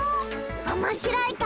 おもしろいか？